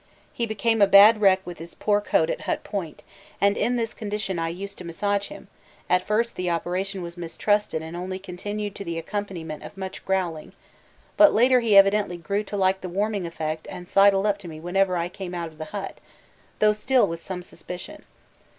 He became a bad wreck with his poor coat at Hut Point, and in this condition I used to massage him; at first the operation was mistrusted and only continued to the accompaniment of much growling, but later he evidently grew to like the warming effect and sidled up to me whenever I came out of the hut, though still with some suspicion.